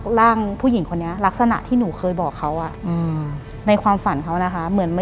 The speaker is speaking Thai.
หลังจากนั้นเราไม่ได้คุยกันนะคะเดินเข้าบ้านอืม